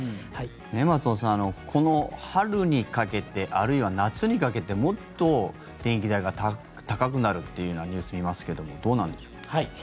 松尾さん、この春にかけてあるいは夏にかけてもっと電気代が高くなるっていうようなニュースを見ますけどもどうなんでしょう。